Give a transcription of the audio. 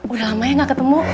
udah lama ya gak ketemu